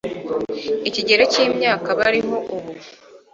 ikigero cy'imyaka bariho ubu